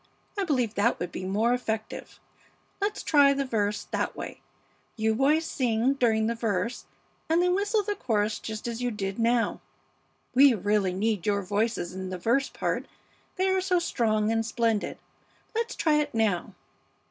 I believe that would be more effective. Let's try the first verse that way; you boys sing during the verse and then whistle the chorus just as you did now. We really need your voices in the verse part, they are so strong and splendid. Let's try it now."